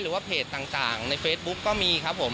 หรือว่าเพจต่างในเฟซบุ๊กก็มีครับผม